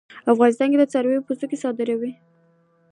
افغانستان د څارویو پوستکي صادروي